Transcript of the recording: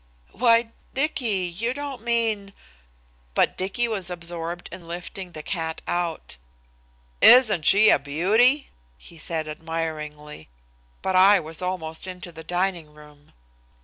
"Why, Dicky, you don't mean " But Dicky was absorbed in lifting the cat out. "Isn't she a beauty?" he said admiringly. But I was almost into the dining room.